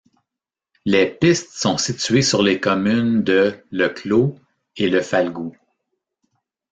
Les pistes sont situées sur les communes de Le Claux et Le Falgoux.